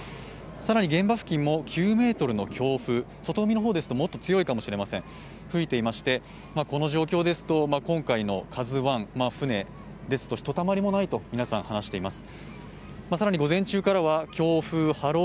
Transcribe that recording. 更に現場付近も９ｍの強風外海の方ですともっと強いかもしれませんが、吹いていましてこの状況ですと、今回の「ＫＡＺＵⅠ」の船ですとひとたまりもないと皆さん話しています。